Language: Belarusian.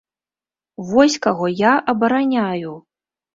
Вось каго я абараняю.